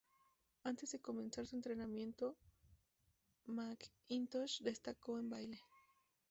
Antes de comenzar su entrenamiento, McIntosh destacó en baile.